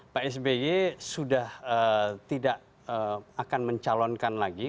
pak sby sudah tidak akan mencalonkan lagi